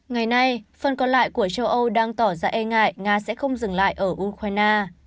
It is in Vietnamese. ngày nay phần còn lại của châu âu đang tỏ ra e ngại nga sẽ không dừng lại ở ukraine